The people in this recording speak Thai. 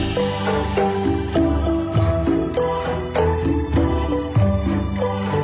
ที่สุดท้ายที่สุดท้ายที่สุดท้าย